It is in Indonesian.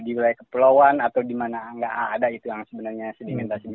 di wilayah kepulauan atau dimana gak ada itu yang sebenarnya sedimentasi